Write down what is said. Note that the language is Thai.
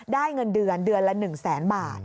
ได้เงินเดือนเดือนละหนึ่งแสนบาท